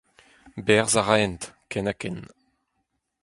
Berzh a raent ken ha ken.